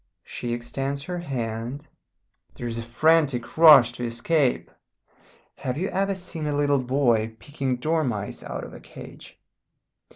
She extends her hand. There is a frantic rush to escape. Have you ever seen a little boy picking dormice out of a cage?